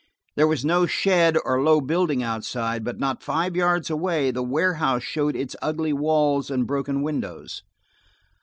There was no shed or low building outside, but not five yards away the warehouse showed its ugly walls and broken windows.